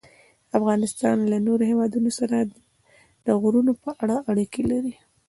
افغانستان له نورو هېوادونو سره د غرونو په اړه اړیکې لري.